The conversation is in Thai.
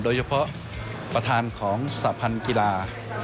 โดยเฉพาะประธานของสะพันธ์กีฬา